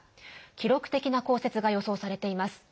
記録的な降雪が予想されています。